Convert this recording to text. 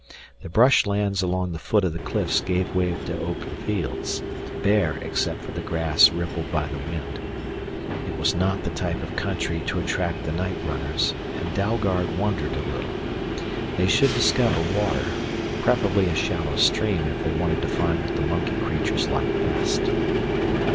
The brush lands along the foot of the cliffs gave way to open fields, bare except for the grass rippled by the wind. It was not the type of country to attract the night runners, and Dalgard wondered a little. They should discover water, preferably a shallow stream, if they wanted to find what the monkey creatures liked best.